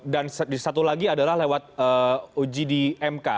dan satu lagi adalah lewat uji di mk